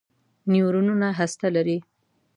نیورونونه هسته لري.